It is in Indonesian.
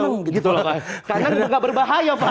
karena tidak berbahaya pak